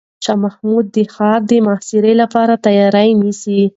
شاه محمود د ښار د محاصرې لپاره تیاری نیسي.